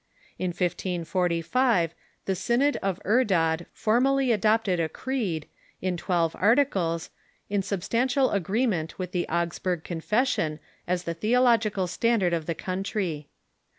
In 1545 the Synod of Erdod formall}^ adopted a creed, in twelve articles, in substantial agreement with the Augsburg Confession as the theological standard of the country.